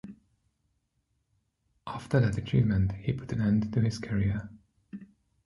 After that achievement, he put an end to his career.